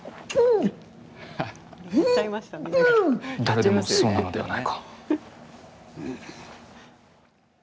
誰でもそうなのではないか。